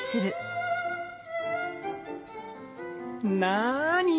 なに？